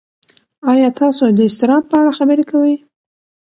ایا تاسو د اضطراب په اړه خبرې کوئ؟